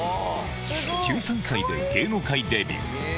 １３歳で芸能界デビュー。